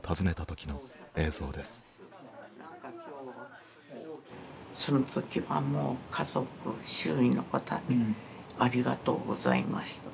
その時はもう家族周囲の方にありがとうございましたと。